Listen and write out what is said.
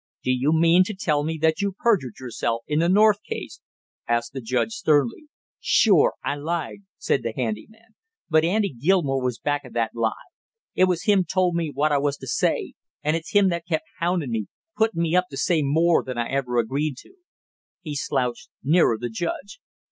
"Do you mean to tell me that you perjured yourself in the North case?" asked the judge sternly. "Sure, I lied!" said the handy man. "But Andy Gilmore was back of that lie; it was him told me what I was to say, and it's him that kept houndin' me, puttin' me up to say more than I ever agreed to!" He slouched nearer the judge.